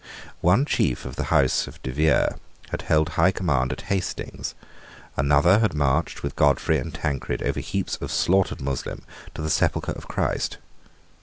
One chief of the house of De Vere had held high command at Hastings: another had marched, with Godfrey and Tancred, over heaps of slaughtered Moslem, to the sepulchre of Christ.